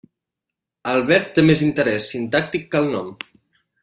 El verb té més interès sintàctic que el nom.